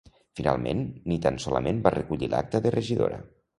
Finalment, ni tan solament va recollir l’acta de regidora.